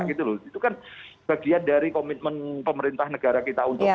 itu kan bagian dari komitmen pemerintah negara kita untuk